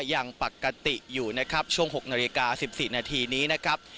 ยังปกติอยู่นะครับช่วง๖นาฬิกา๑๔นาทีนี้นะครับ